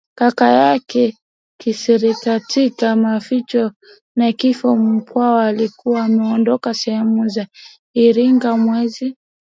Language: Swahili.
kaka yake kisiriKatika maficho na kifo Mkwawa alikuwa ameondoka sehemu za Iringa mwezi